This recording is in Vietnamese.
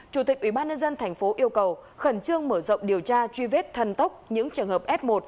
chủ tịch ủy ban nhân dân tp yêu cầu khẩn trương mở rộng điều tra truy vết thần tốc những trường hợp f một